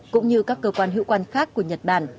cũng như các cơ quan hữu quan khác của nhật bản